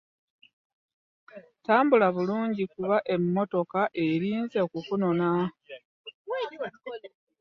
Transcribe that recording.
Tambula bulungi kuba emmotoka erinza okukutomera.